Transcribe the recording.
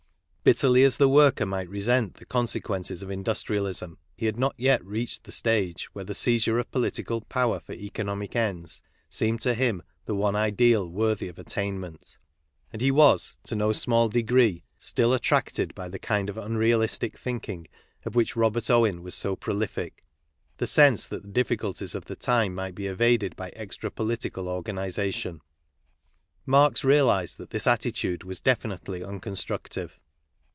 Bitterly as the worker might resent the: consequences of industrialism, he had not yet reached the stage where the seizure of political power for) economic ends seemed to him the one ideal worthy ofl attainment. And he was, to no small degree, still 14 KARL MARX attracted by the kind of unrealistic thinking of which Robert Owen was so prolific, the sense that the diffi culties of , the time might be evaded by extra political organization. Marx realized that this attitude was definitely unconstructive.